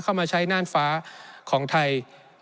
เข้ามาใช้น่านฟ้าของไทย